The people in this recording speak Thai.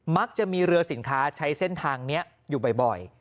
มักจะมีเรือสินค้าใช้เส้นทางนี้อยู่บ่อย